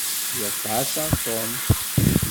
Lliɣ ttɛassaɣ Tom.